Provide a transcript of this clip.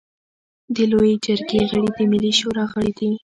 د لويې جرګې غړي د ملي شورا غړي دي.